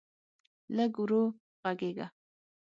لږ ورو غږېږه.